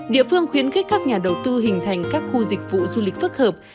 địa phương khuyến khích các nhà đầu tư hình thành các khu dịch vụ du lịch phức hợp